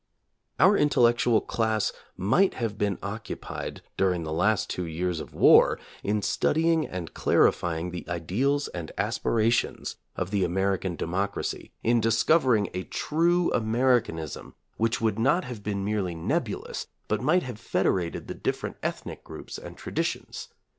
Our intellectual class might have been occupied, during the last two years of war, in studying and clarifying the ideals and aspirations of the Ameri 1 June, 1917. can democracy, in discovering a true Americanism which would not have been merely nebulous but might have federated the different ethnic groups and traditions.